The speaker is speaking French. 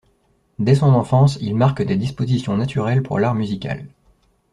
Dès son enfance, il marque des dispositions naturelles pour l'art musical.